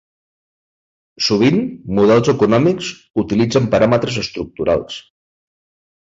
Sovint, models econòmics utilitzen paràmetres estructurals.